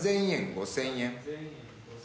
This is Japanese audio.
５，０００円。